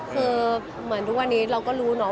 คือเหมือนทุกวันนี้เราก็รู้เนาะ